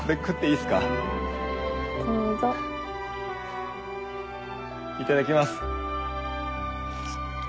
いただきます！